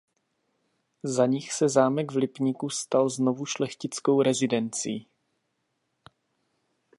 Za nich se zámek v Lipníku stal znovu šlechtickou rezidencí.